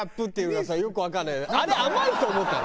あれ甘いと思ったの？